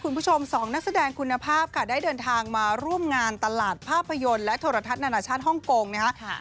คุณผู้ชมสองนักแสดงคุณภาพค่ะได้เดินทางมาร่วมงานตลาดภาพยนตร์และโทรทัศน์นานาชาติฮ่องกงนะคะ